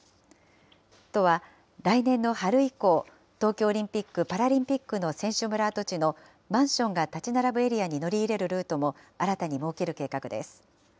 都は、来年の春以降、東京オリンピック・パラリンピックの選手村跡地のマンションが建ち並ぶエリアに乗り入れるルートも、新たに設ける計画です。